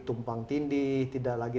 tumpang tindih tidak lagi